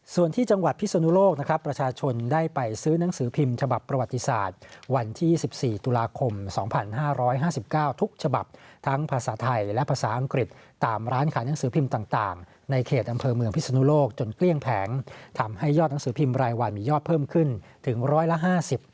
ส่วนที่จังหวัดพิศนุโลกนะครับประชาชนได้ไปซื้อหนังสือพิมพ์ฉบับประวัติศาสตร์วันที่๒๔ตุลาคม๒๕๕๙ทุกฉบับทั้งภาษาไทยและภาษาอังกฤษตามร้านขายหนังสือพิมพ์ต่างในเขตอำเภอเมืองพิศนุโลกจนเกลี้ยงแผงทำให้ยอดหนังสือพิมพ์รายวันมียอดเพิ่มขึ้นถึงร้อยละห้าสิบ